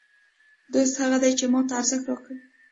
دوست هغه دئ، چي ما ته ارزښت راکوي.